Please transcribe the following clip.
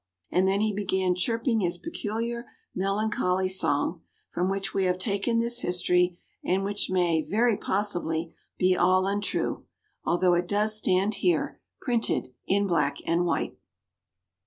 And then he began chirping his peculiar melancholy song, from which we have taken this history; and which may, very possibly, be all untrue, although it does stand here printed in black and white.